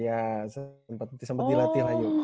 ya sempet dilatih lah yuk